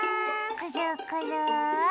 くるくる。